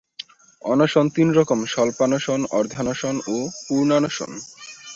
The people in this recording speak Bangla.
অনশন তিন রকম স্বল্পানশন, অর্ধানশন ও পূর্ণানশন।